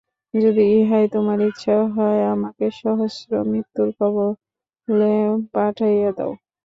যদি ইহাই তোমার ইচ্ছা হয়, আমাকে সহস্র মৃত্যুর কবলে পাঠাইয়া দাও।